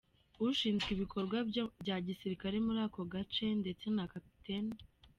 ushinzwe ibikorwa bya gisirikare muri ako gace ndetse na Cpt.